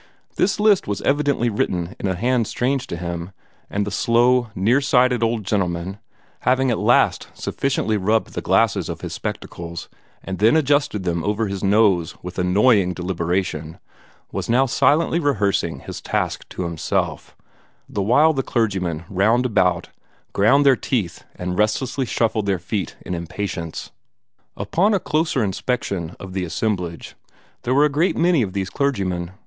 This list was evidently written in a hand strange to him, and the slow, near sighted old gentleman, having at last sufficiently rubbed the glasses of his spectacles, and then adjusted them over his nose with annoying deliberation, was now silently rehearsing his task to himself the while the clergymen round about ground their teeth and restlessly shuffled their feet in impatience. Upon a closer inspection of the assemblage, there were a great many of these clergymen.